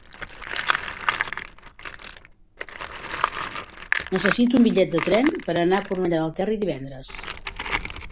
Necessito un bitllet de tren per anar a Cornellà del Terri divendres.